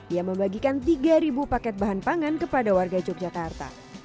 ia membagikan tiga paket bahan pangan kepada warga yogyakarta